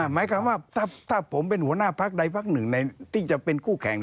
หมายความว่าถ้าผมเป็นหัวหน้าพักใดพักหนึ่งที่จะเป็นคู่แข่ง